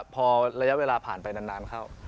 พอระยะเวลาผ่านไปนานเข้า